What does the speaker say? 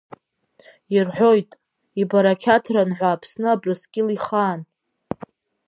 Ирҳәоит, ибарақьаҭран ҳәа Аԥсны Абрыскьыл ихаан.